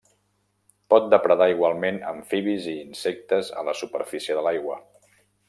Pot depredar igualment amfibis i insectes a la superfície de l'aigua.